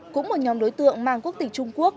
cũng một nhóm đối tượng mang quốc tịch trung quốc